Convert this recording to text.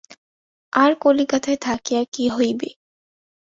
আর কলিকাতায় থাকিয়া কী হইবে?